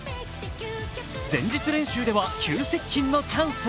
前日練習では急接近のチャンス。